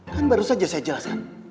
kan baru saja saya jelaskan